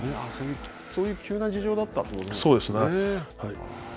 そういう急な事情だったということですね。